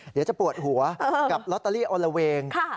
เดี๋ยวจะปวดหัวกับลอตเตอรี่อลละเวง